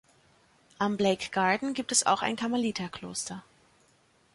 Am Blake Garden gibt es auch ein Karmeliterkloster.